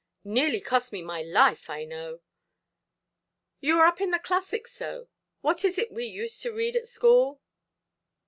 Nearly cost me my life, I know. You are up in the classics so: what is it we used to read at school?